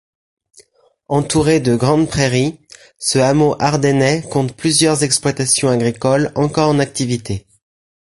Entouré de grandes prairies, ce hameau ardennais compte plusieurs exploitations agricoles encore en activité.